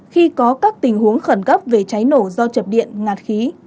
khi có các tình huống khẩn cấp về cháy nổ do chập điện ngạt khí